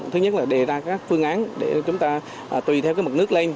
thứ nhất là đề ra các phương án để chúng ta tùy theo mực nước lên